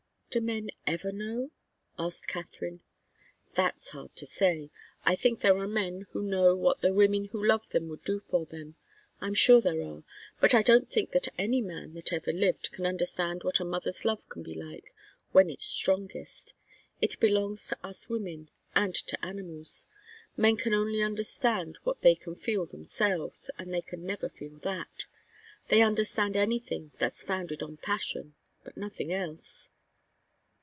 "Do men ever know?" asked Katharine. "That's hard to say. I think there are men who know what the women who love them would do for them. I'm sure there are. But I don't think that any man that ever lived can understand what a mother's love can be like, when it's strongest. It belongs to us women and to animals. Men can only understand what they can feel themselves, and they can never feel that. They understand anything that's founded on passion, but nothing else."